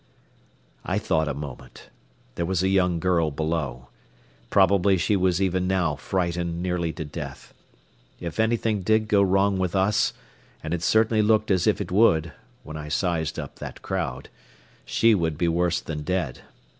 I thought a moment. There was a young girl below. Probably she was even now frightened nearly to death. If anything did go wrong with us, and it certainly looked as if it would, when I sized up that crowd, she would be worse than dead.